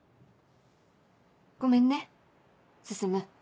ごめんね進。